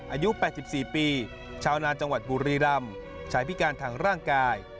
อายุ๘๔ปีชาวนาจังหวัดบุรีรำใช้พิการทางร่างกาย